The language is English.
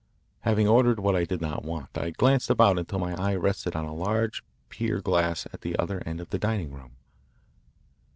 Having ordered what I did not want, I glanced about until my eye rested on a large pier glass at the other end of the dining room.